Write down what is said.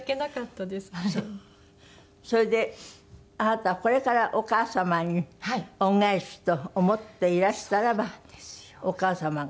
それであなたはこれからお母様に恩返しと思っていらしたらばお母様が。